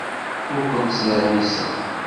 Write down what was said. Ur ken-ttnermiseɣ.